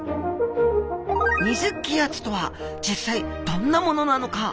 ２０気圧とは実際どんなものなのか？